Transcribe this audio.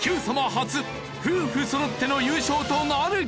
初夫婦そろっての優勝となるか！？